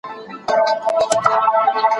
موږ له بدو شیانو ځان ساتو.